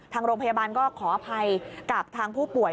ทางโรงพยาบาลก็ขออภัยกับทางผู้ป่วย